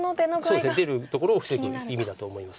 そうですね出るところを防ぐ意味だと思います。